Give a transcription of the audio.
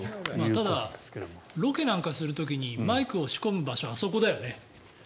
ただ、ロケなんかする時にマイクを仕込む場所はあそこだよね。